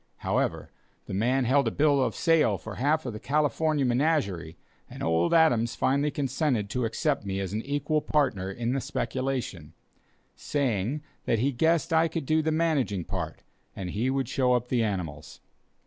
However, the man held a bill of sale for half of the "California Menagerie," and old Adams finally consented to accept me as an equal partner in the speculation, saying that he guessed I could do the managing part, and he would show up the animals.